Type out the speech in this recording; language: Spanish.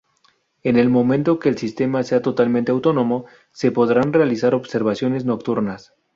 En el momento que el sistema sea totalmente autónomo, se podrán realizar observaciones nocturnas.